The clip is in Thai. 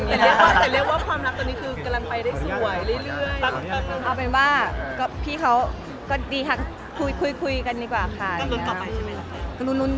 ก็ยังหาไม่เจอเขาหนีเพราะกลัวคนอ่ะ